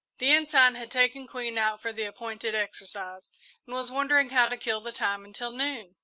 The Ensign had taken Queen out for the appointed exercise and was wondering how to kill the time until noon.